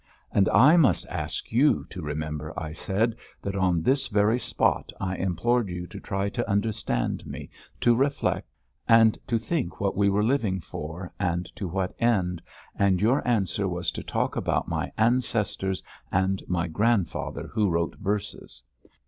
"And I must ask you to remember," I said, "that on this very spot I implored you to try to understand me, to reflect, and to think what we were living for and to what end, and your answer was to talk about my ancestors and my grandfather who wrote verses.